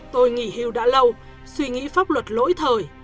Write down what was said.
tôi nghỉ hưu đã lâu suy nghĩ pháp luật lỗi thời